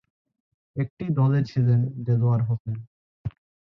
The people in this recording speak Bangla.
একটি দলে ছিলেন দেলোয়ার হোসেন।